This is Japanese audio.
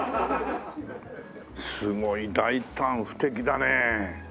すごい大胆不敵だね。